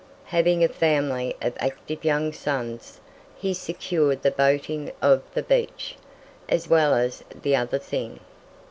Having a family of active young sons, he secured the boating of "the Beach" as well as the other thing.